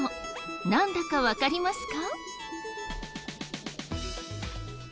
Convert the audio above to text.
なんだかわかりますか？